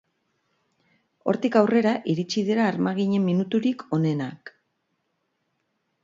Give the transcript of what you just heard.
Hortik aurrera iritsi dira armaginen minuturik onenak.